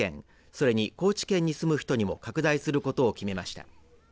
それに高知県に住む人にも拡大することを決めました。